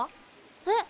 えっ？